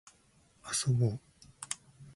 遊ぼう